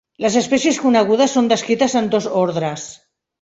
Les espècies conegudes són descrites en dos ordres.